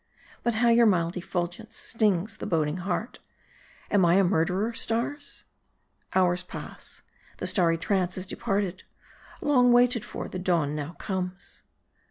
But how your mild effulgence stings the boding heart. Am I a murderer, stars ? Hours pass. The starry trance is departed. Long waited for, the dawn now comes.